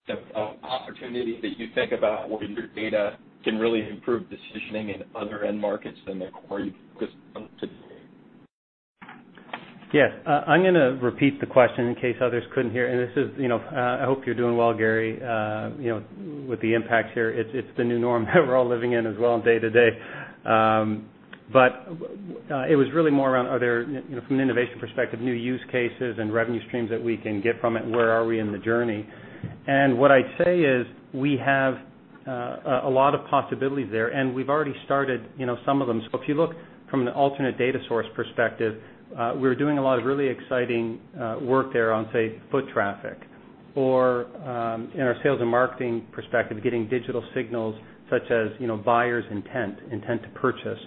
an opportunity that you think about where your data can really improve decisioning in other end markets than the core you've discussed to-date?
Yes. I'm going to repeat the question in case others couldn't hear. I hope you're doing well, Gary, with the impacts here. It's the new norm that we're all living in as well day to day. It was really more around, from an innovation perspective, new use cases and revenue streams that we can get from it, and where are we in the journey? What I'd say is we have a lot of possibilities there, and we've already started some of them. If you look from an alternate data source perspective, we're doing a lot of really exciting work there on, say, foot traffic, or in our sales and marketing perspective, getting digital signals such as buyer's intent to purchase.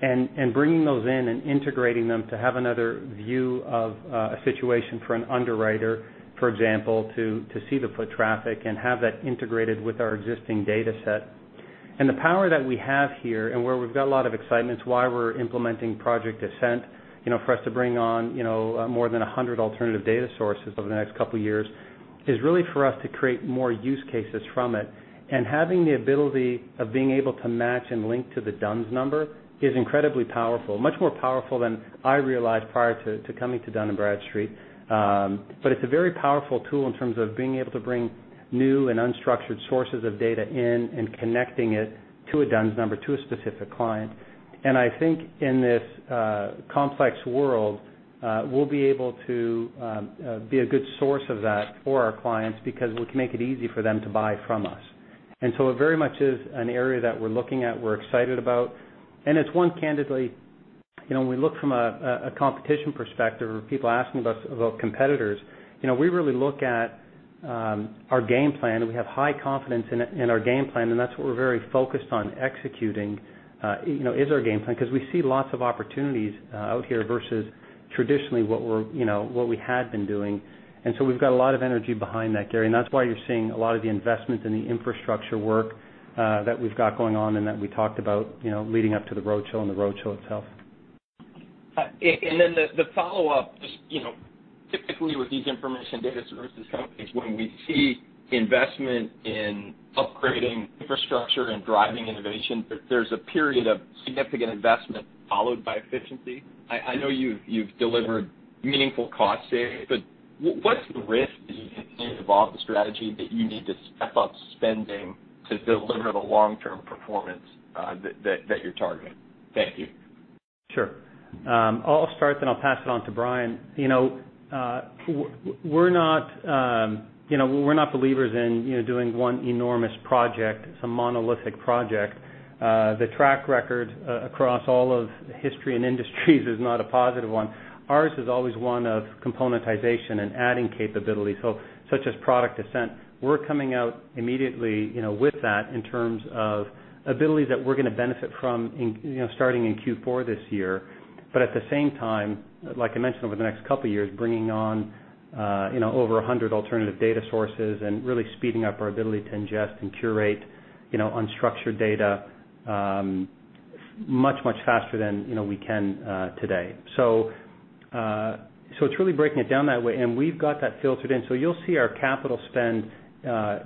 Bringing those in and integrating them to have another view of a situation for an underwriter, for example, to see the foot traffic and have that integrated with our existing data set. The power that we have here, and where we've got a lot of excitement, it's why we're implementing Project Ascent, for us to bring on more than 100 alternative data sources over the next couple of years, is really for us to create more use cases from it. Having the ability of being able to match and link to the D-U-N-S Number is incredibly powerful, much more powerful than I realized prior to coming to Dun & Bradstreet. It's a very powerful tool in terms of being able to bring new and unstructured sources of data in and connecting it to a D-U-N-S Number, to a specific client. I think in this complex world, we'll be able to be a good source of that for our clients, because we can make it easy for them to buy from us. It very much is an area that we're looking at, we're excited about, and it's one, candidly, when we look from a competition perspective or people asking us about competitors, we really look at our game plan, and we have high confidence in our game plan, and that's what we're very focused on executing, is our game plan, because we see lots of opportunities out here versus traditionally what we had been doing. We've got a lot of energy behind that, Gary, and that's why you're seeing a lot of the investment in the infrastructure work that we've got going on and that we talked about leading up to the roadshow and the roadshow itself.
The follow-up, just typically with these information data services companies, when we see investment in upgrading infrastructure and driving innovation, there's a period of significant investment followed by efficiency. I know you've delivered meaningful cost savings, but what's the risk in evolving the strategy that you need to step up spending to deliver the long-term performance that you're targeting? Thank you.
Sure. I'll start, then I'll pass it on to Bryan. We're not believers in doing one enormous project, some monolithic project. The track record across all of history and industries is not a positive one. Ours is always one of componentization and adding capability. Such as Project Ascent. We're coming out immediately with that in terms of ability that we're going to benefit from starting in Q4 this year. At the same time, like I mentioned, over the next couple of years, bringing on over 100 alternative data sources and really speeding up our ability to ingest and curate unstructured data much, much faster than we can today. It's really breaking it down that way. We've got that filtered in. You'll see our capital spend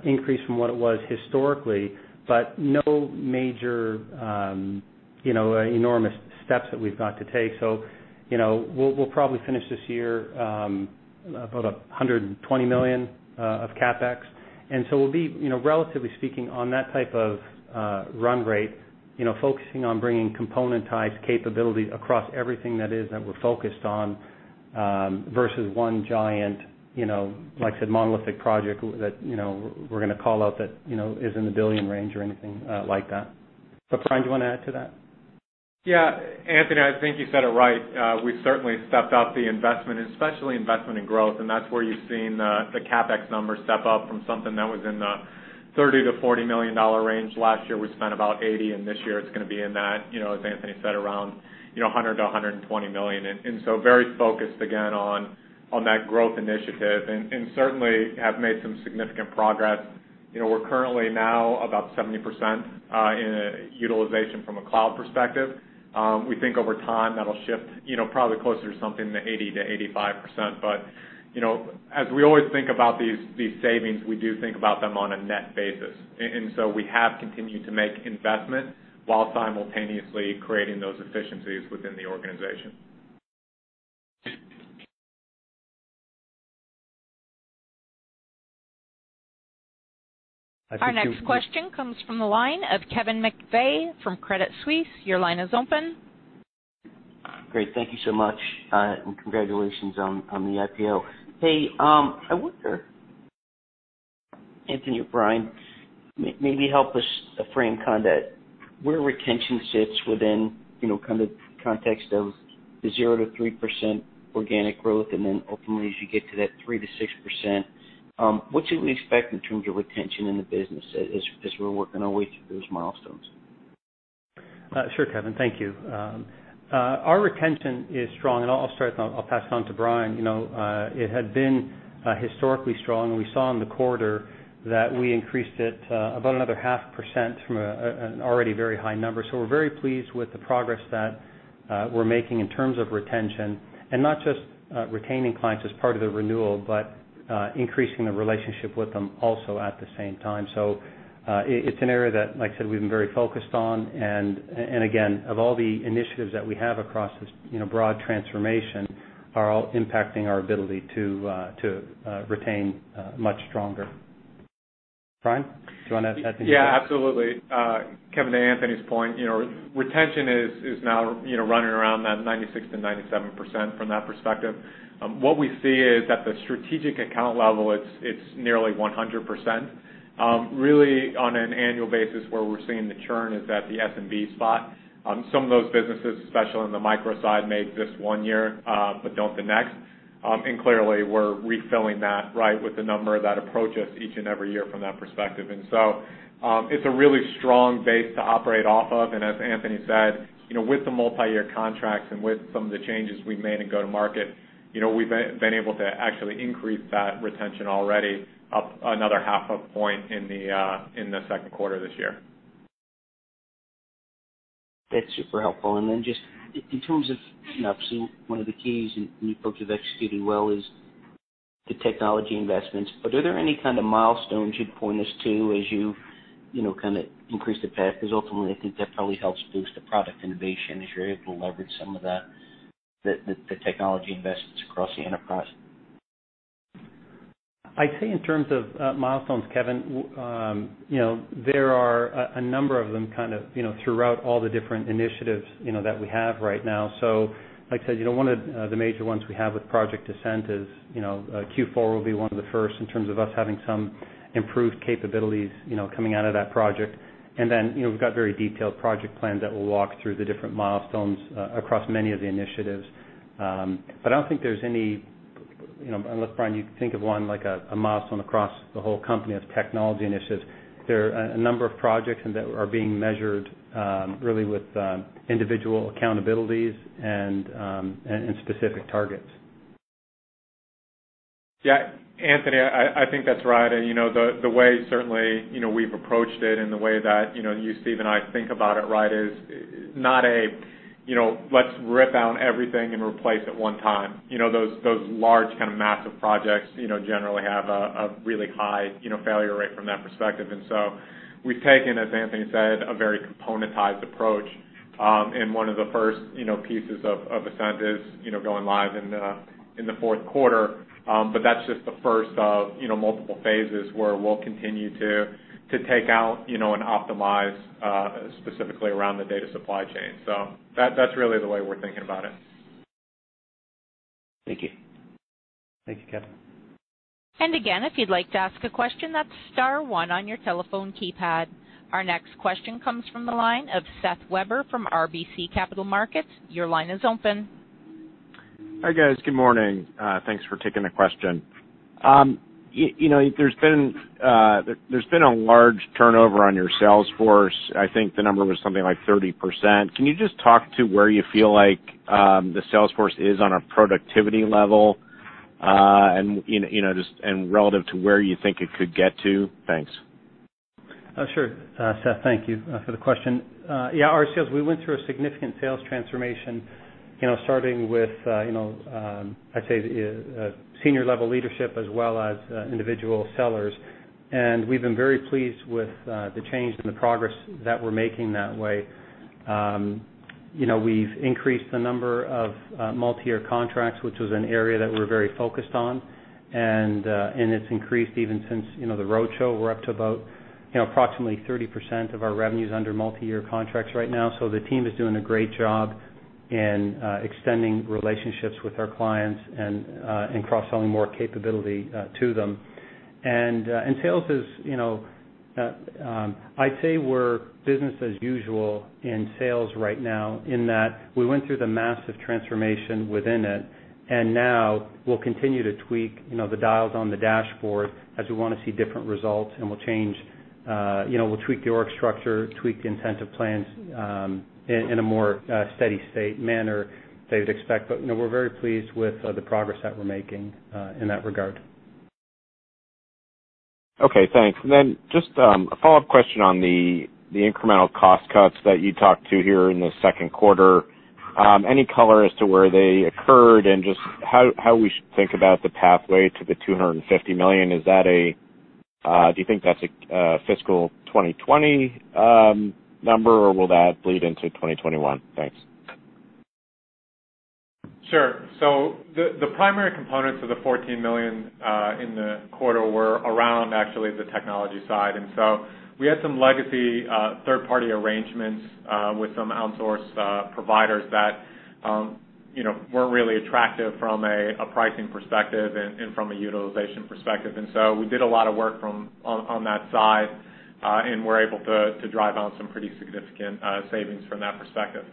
increase from what it was historically, but no major enormous steps that we've got to take. We'll probably finish this year about $120 million of CapEx. We'll be, relatively speaking, on that type of run rate, focusing on bringing componentized capabilities across everything that is that we're focused on, versus one giant, like I said, monolithic project that we're going to call out that is in the billion range or anything like that. Bryan, do you want to add to that?
Yeah, Anthony, I think you said it right. We've certainly stepped up the investment, especially investment in growth, and that's where you've seen the CapEx number step up from something that was in the $30 million-$40 million range. Last year, we spent about $80 million, and this year it's going to be in that, as Anthony said, around $100 million-$120 million. Very focused again on that growth initiative, and certainly have made some significant progress. We're currently now about 70% in utilization from a cloud perspective. We think over time that'll shift, probably closer to something to 80%-85%. As we always think about these savings, we do think about them on a net basis. We have continued to make investment while simultaneously creating those efficiencies within the organization.
I think.
Our next question comes from the line of Kevin McVeigh from Credit Suisse. Your line is open.
Great. Thank you so much. Congratulations on the IPO. Hey, I wonder, Anthony or Bryan, maybe help us frame where retention sits within context of the 0%-3% organic growth, and then ultimately, as you get to that 3%-6%, what should we expect in terms of retention in the business as we're working our way through those milestones?
Sure, Kevin. Thank you. Our retention is strong. I'll start, then I'll pass it on to Bryan. It had been historically strong. We saw in the quarter that we increased it about another 0.5% from an already very high number. We're very pleased with the progress that we're making in terms of retention, and not just retaining clients as part of the renewal, but increasing the relationship with them also at the same time. It's an area that, like I said, we've been very focused on, and again, of all the initiatives that we have across this broad transformation are all impacting our ability to retain much stronger. Bryan, do you want to add anything to that?
Yeah, absolutely. Kevin, to Anthony's point, retention is now running around that 96%-97% from that perspective. What we see is at the strategic account level, it's nearly 100%. Really on an annual basis where we're seeing the churn is at the SMB spot. Some of those businesses, especially on the micro side, may exist one year but don't the next. Clearly, we're refilling that, right, with the number that approach us each and every year from that perspective. It's a really strong base to operate off of. As Anthony said, with the multi-year contracts and with some of the changes we've made in go-to-market, we've been able to actually increase that retention already up another half a point in the second quarter of this year.
That's super helpful. Just in terms of, obviously, one of the keys you folks have executed well is the technology investments. Are there any kind of milestones you'd point us to as you increase the path? Ultimately I think that probably helps boost the product innovation as you're able to leverage some of the technology investments across the enterprise.
I'd say in terms of milestones, Kevin, there are a number of them kind of throughout all the different initiatives that we have right now. Like I said, one of the major ones we have with Project Ascent is Q4 will be one of the first in terms of us having some improved capabilities coming out of that project. We've got very detailed project plans that will walk through the different milestones across many of the initiatives. I don't think there's any, unless Bryan, you can think of one, like a milestone across the whole company of technology initiatives. There are a number of projects that are being measured, really with individual accountabilities and specific targets.
Yeah, Anthony, I think that's right. The way certainly we've approached it and the way that you, Steve, and I think about it, right, is not a let's rip out everything and replace at one time. Those large kind of massive projects generally have a really high failure rate from that perspective. We've taken, as Anthony said, a very componentized approach. One of the first pieces of Ascent is going live in the fourth quarter. That's just the first of multiple phases where we'll continue to take out and optimize, specifically around the data supply chain. That's really the way we're thinking about it.
Thank you.
Thank you, Kevin.
Again, if you'd like to ask a question, that's star one on your telephone keypad. Our next question comes from the line of Seth Weber from RBC Capital Markets. Your line is open.
Hi, guys. Good morning. Thanks for taking the question. There's been a large turnover on your sales force. I think the number was something like 30%. Can you just talk to where you feel like, the sales force is on a productivity level, and relative to where you think it could get to? Thanks.
Sure. Seth, thank you for the question. Yeah, our sales, we went through a significant sales transformation starting with, I'd say senior level leadership as well as individual sellers. We've been very pleased with the change and the progress that we're making that way. We've increased the number of multi-year contracts, which was an area that we're very focused on. It's increased even since the roadshow. We're up to about approximately 30% of our revenues under multi-year contracts right now. The team is doing a great job in extending relationships with our clients and cross-selling more capability to them. Sales is, I'd say we're business as usual in sales right now in that we went through the massive transformation within it, and now we'll continue to tweak the dials on the dashboard as we want to see different results, and we'll tweak the org structure, tweak the incentive plans in a more steady state manner than you'd expect. We're very pleased with the progress that we're making in that regard.
Okay, thanks. Then just a follow-up question on the incremental cost cuts that you talked to here in the second quarter. Any color as to where they occurred and just how we should think about the pathway to the $250 million? Do you think that's a fiscal 2020 number, or will that bleed into 2021? Thanks.
Sure. The primary components of the $14 million in the quarter were around actually the technology side. We had some legacy third-party arrangements with some outsourced providers that weren't really attractive from a pricing perspective and from a utilization perspective. We did a lot of work on that side, and we're able to drive out some pretty significant savings from that perspective.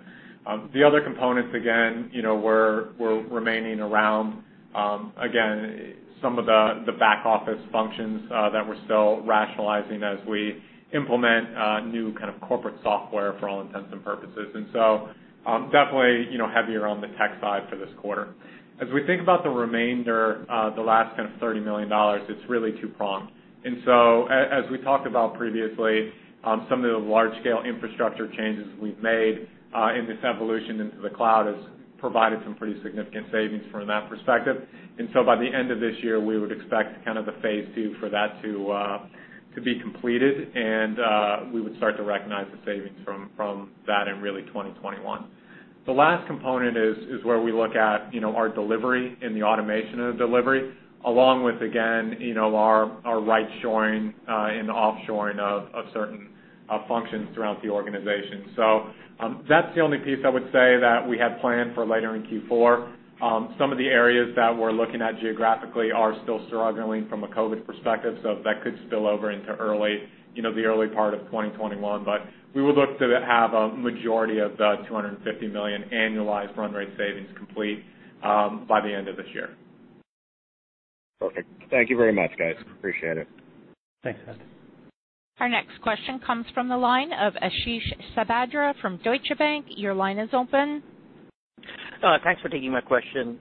The other components, again, were remaining around some of the back office functions that we're still rationalizing as we implement new kind of corporate software for all intents and purposes. Definitely heavier on the tech side for this quarter. As we think about the remainder, the last kind of $30 million, it's really two-pronged. As we talked about previously, some of the large scale infrastructure changes we've made in this evolution into the cloud has provided some pretty significant savings from that perspective. By the end of this year, we would expect kind of the phase 2 for that to be completed. We would start to recognize the savings from that in really 2021. The last component is where we look at our delivery and the automation of delivery, along with, again, our right shoring and offshoring of certain functions throughout the organization. That's the only piece I would say that we have planned for later in Q4. Some of the areas that we're looking at geographically are still struggling from a COVID-19 perspective, so that could spill over into the early part of 2021. We would look to have a majority of the $250 million annualized run rate savings complete by the end of this year.
Perfect. Thank you very much, guys. Appreciate it.
Thanks.
Our next question comes from the line of Ashish Sabadra from Deutsche Bank. Your line is open.
Thanks for taking my question.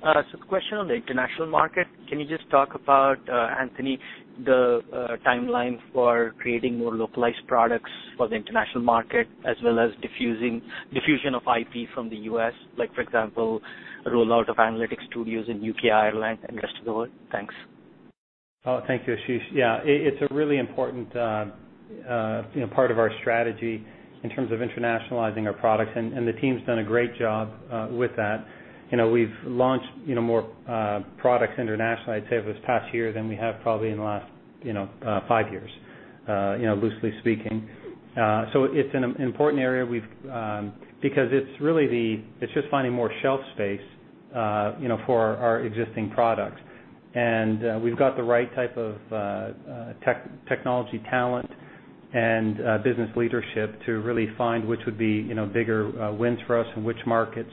Question on the international market, can you just talk about, Anthony, the timeline for creating more localized products for the international market, as well as diffusion of IP from the U.S.? For example, rollout of Analytics Studios in U.K., Ireland, and rest of the world. Thanks.
Thank you, Ashish. Yeah, it's a really important part of our strategy in terms of internationalizing our products, and the team's done a great job with that. We've launched more products internationally, I'd say, over this past year than we have probably in the last five years, loosely speaking. It's an important area because it's just finding more shelf space for our existing products. We've got the right type of technology talent and business leadership to really find which would be bigger wins for us in which markets,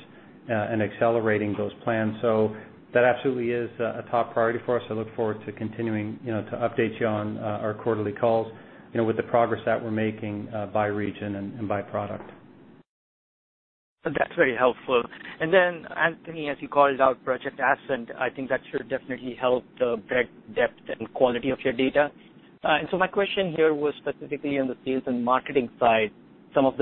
and accelerating those plans. That absolutely is a top priority for us. I look forward to continuing to update you on our quarterly calls, with the progress that we're making by region and by product.
That's very helpful. Anthony, as you called out Project Ascent, I think that should definitely help the breadth, depth, and quality of your data. My question here was specifically on the sales and marketing side, how does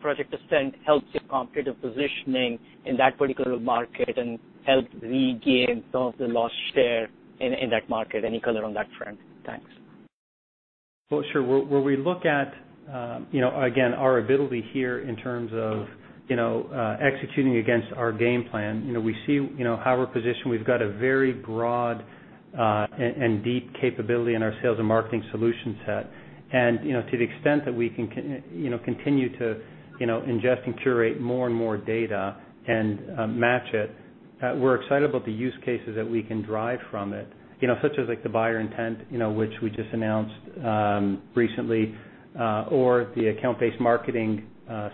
Project Ascent help your competitive positioning in that particular market and help regain some of the lost share in that market? Any color on that front? Thanks.
Sure. Where we look at, again, our ability here in terms of executing against our game plan, we see how we're positioned. We've got a very broad and deep capability in our sales and marketing solution set. To the extent that we can continue to ingest and curate more and more data and match it, we're excited about the use cases that we can derive from it, such as like the D&B Buyer Intent, which we just announced recently, or the account-based marketing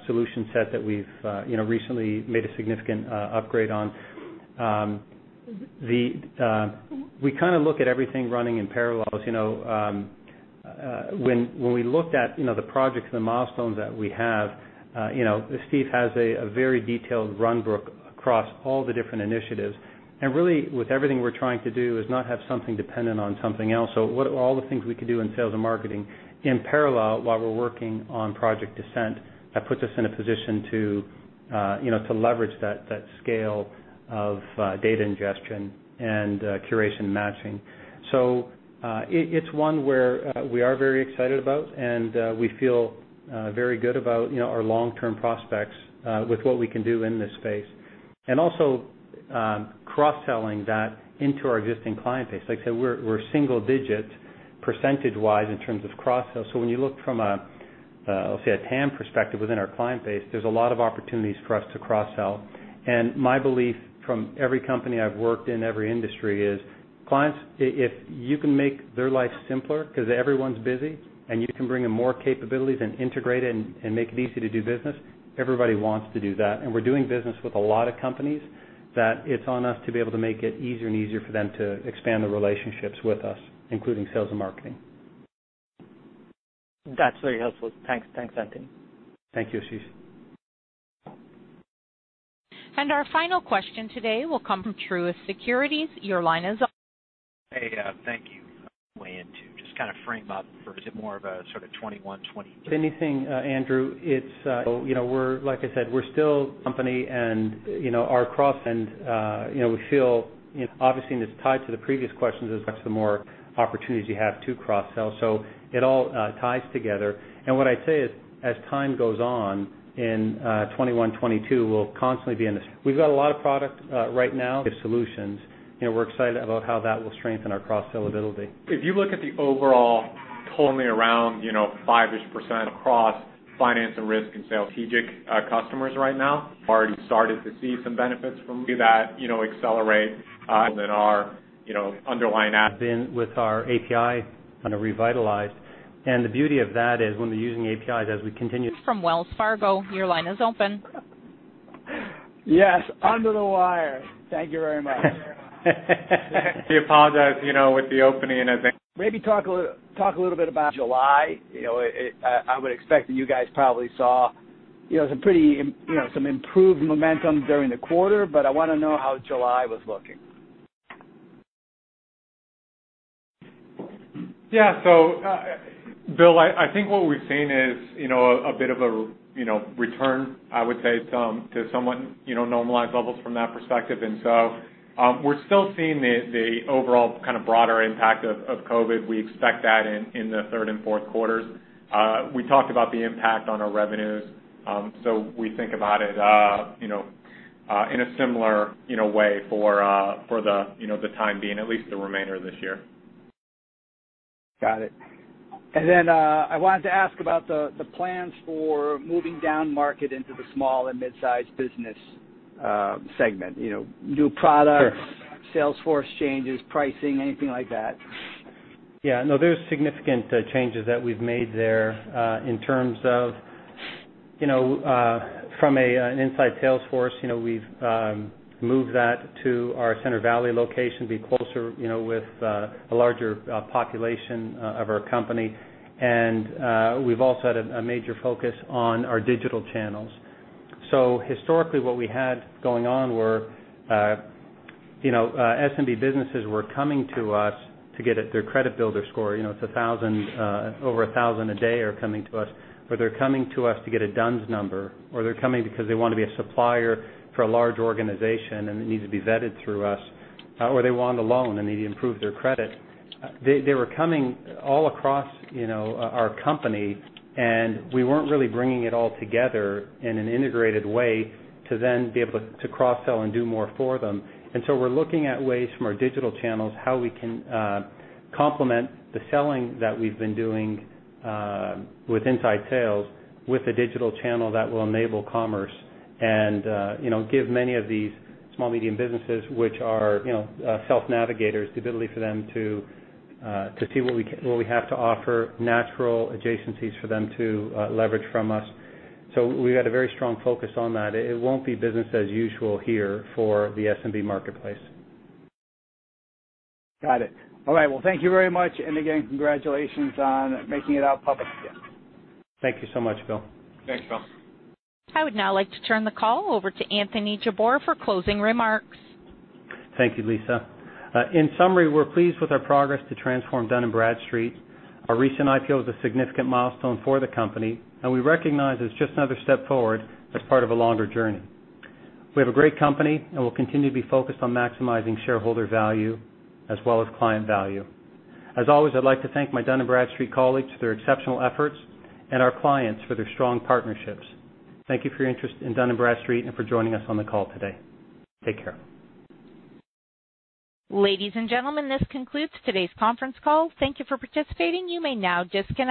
solution set that we've recently made a significant upgrade on. We kind of look at everything running in parallels. When we looked at the projects and the milestones that we have, Steve has a very detailed runbook across all the different initiatives. Really, with everything we're trying to do, is not have something dependent on something else. What are all the things we could do in sales and marketing in parallel while we're working on Project Ascent, that puts us in a position to leverage that scale of data ingestion and curation matching. It's one where we are very excited about, and we feel very good about our long-term prospects, with what we can do in this space. Also cross-selling that into our existing client base. Like I said, we're single-digit percentage-wise in terms of cross sell. When you look from a, I'll say, a TAM perspective within our client base, there's a lot of opportunities for us to cross sell. My belief from every company I've worked in, every industry is, clients, if you can make their life simpler, because everyone's busy, and you can bring them more capabilities and integrate it and make it easy to do business, everybody wants to do that. We're doing business with a lot of companies that it's on us to be able to make it easier and easier for them to expand their relationships with us, including sales and marketing.
That's very helpful. Thanks, Anthony.
Thank you, Ashish.
Our final question today will come from Truist Securities. Your line is open.
Hey, thank you. Way in to just kind of frame up, or is it more of a sort of 2021, 2022?
If anything, Andrew, like I said, we're still a company and our cross-sell, and we feel, obviously, and it's tied to the previous questions, as much, the more opportunities you have to cross-sell. It all ties together. What I'd say is, as time goes on in 2021, 2022, we'll constantly be in this. We've got a lot of product right now, native solutions. We're excited about how that will strengthen our cross-sell ability.
If you look at the overall pulling around 5-ish % across finance and risk and strategic customers right now, already started to see some benefits from that accelerate than our underlying. Been with our API revitalized, and the beauty of that is when we're using APIs.
From Wells Fargo, your line is open.
Yes, under the wire. Thank you very much.
We apologize, with the opening.
Maybe talk a little bit about July. I would expect that you guys probably saw some improved momentum during the quarter. I want to know how July was looking.
Yeah. Bill, I think what we've seen is a bit of a return, I would say, to somewhat normalized levels from that perspective. We're still seeing the overall kind of broader impact of COVID. We expect that in the third and fourth quarters. We talked about the impact on our revenues. We think about it in a similar way for the time being, at least the remainder of this year.
Got it. I wanted to ask about the plans for moving down market into the small and mid-sized business segment. Sales force changes, pricing, anything like that?
No, there's significant changes that we've made there, in terms of from an inside sales force, we've moved that to our Center Valley location to be closer with a larger population of our company. We've also had a major focus on our digital channels. Historically, what we had going on were SMB businesses were coming to us to get their CreditBuilder score. Over 1,000 a day are coming to us. They're coming to us to get a D-U-N-S Number. They're coming because they want to be a supplier for a large organization. It needs to be vetted through us. They want a loan and need to improve their credit. They were coming all across our company. We weren't really bringing it all together in an integrated way to be able to cross-sell and do more for them. We're looking at ways from our digital channels, how we can complement the selling that we've been doing with inside sales, with a digital channel that will enable commerce and give many of these small, medium businesses, which are self-navigators, the ability for them to see what we have to offer, natural adjacencies for them to leverage from us. We've got a very strong focus on that. It won't be business as usual here for the SMB marketplace.
Got it. All right. Well, thank you very much, and again, congratulations on making it out public again.
Thank you so much, Bill.
Thanks, Bill.
I would now like to turn the call over to Anthony Jabbour for closing remarks.
Thank you, Lisa. In summary, we're pleased with our progress to transform Dun & Bradstreet. Our recent IPO is a significant milestone for the company, and we recognize it's just another step forward as part of a longer journey. We have a great company, and we'll continue to be focused on maximizing shareholder value as well as client value. As always, I'd like to thank my Dun & Bradstreet colleagues for their exceptional efforts and our clients for their strong partnerships. Thank you for your interest in Dun & Bradstreet and for joining us on the call today. Take care.
Ladies and gentlemen, this concludes today's conference call. Thank you for participating. You may now disconnect.